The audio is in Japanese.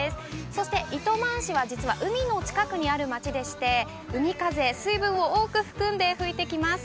そして糸満市は実は海の近くにある町でして海風、水分を多く含んで吹いてきます。